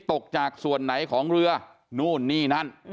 ตกจากส่วนไหนของเรือนู่นนี่นั่น